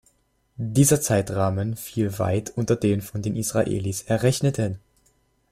Dieser Zeitrahmen fiel weit unter den von den Israelis errechneten.